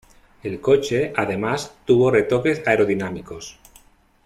El coche, además, tuvo retoques aerodinámicos.